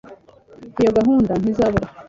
iyo gahunda ntizabura